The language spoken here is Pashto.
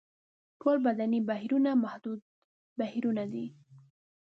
ټول بدني بهیرونه محدود بهیرونه دي.